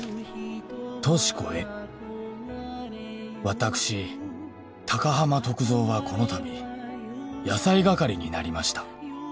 「私高浜篤蔵はこのたび」「野菜係になりました」